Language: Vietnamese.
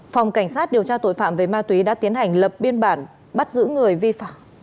phòng cảnh sát điều tra tội phạm về ma túy đã tiến hành lập biên bản bắt giữ người vi phạm